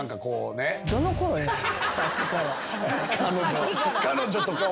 さっきから。